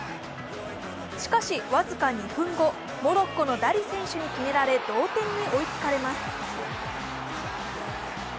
しかし僅か２分後、モロッコのダリ選手に決められ同点に追いつかれます。